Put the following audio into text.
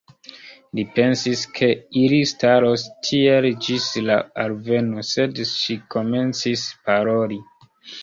Li pensis ke ili staros tiel ĝis la alveno, sed ŝi komencis paroli.